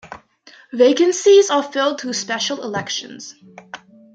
Vacancies are filled through special elections.